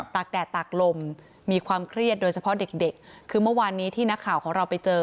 กแดดตากลมมีความเครียดโดยเฉพาะเด็กเด็กคือเมื่อวานนี้ที่นักข่าวของเราไปเจอ